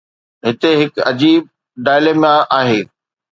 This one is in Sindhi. هتي هڪ عجيب dilemma آهي.